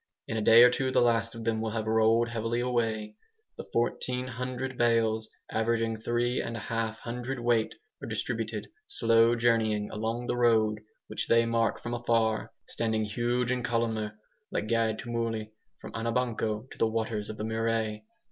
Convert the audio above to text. In a day or two the last of them will have rolled heavily away. The 1400 bales, averaging three and a half hundredweight, are distributed, slow journeying, along the road, which they mark from afar, standing huge and columnar like guide tumuli, from Anabanco to the waters of the Murray.